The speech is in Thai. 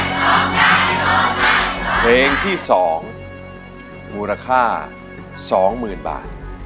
เพลงที่๒มูลค่า๒๐๐๐บาท